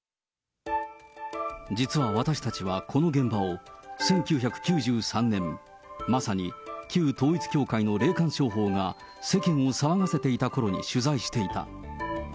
実は私たちはこの現場を１９９３年、まさに旧統一教会の霊感商法が世間を騒がせていたころに取材していた。